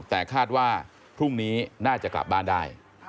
แต่คาดว่าพรุ่งนี้น่าจะกลับบ้านได้